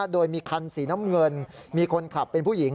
โดยมีคันสีน้ำเงินมีคนขับเป็นผู้หญิง